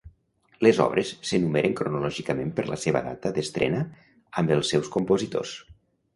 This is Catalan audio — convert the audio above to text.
Les obres s'enumeren cronològicament per la seva data d'estrena amb els seus compositors.